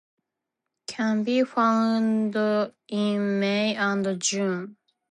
Can be found in May and June.